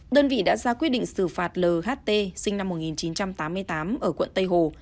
đơn vị đã ra quyết định xử phạt l h t sinh năm một nghìn chín trăm tám mươi tám ở quận tây hồ